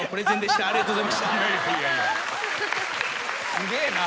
すげえな。